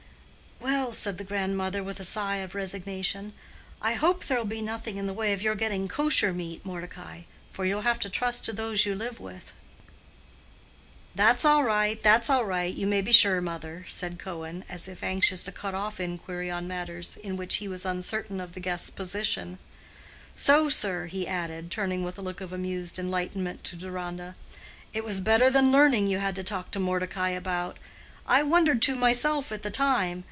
"Well," said the grandmother, with a sigh of resignation, "I hope there'll be nothing in the way of your getting kosher meat, Mordecai. For you'll have to trust to those you live with." "That's all right, that's all right, you may be sure, mother," said Cohen, as if anxious to cut off inquiry on matters in which he was uncertain of the guest's position. "So, sir," he added, turning with a look of amused enlightenment to Deronda, "it was better than learning you had to talk to Mordecai about! I wondered to myself at the time.